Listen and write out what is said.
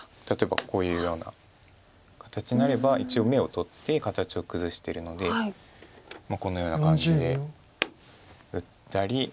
例えばこういうような形になれば一応眼を取って形を崩してるのでこのような感じで打ったり。